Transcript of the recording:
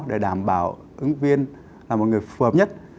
để đảm bảo ứng viên là một người phù hợp nhất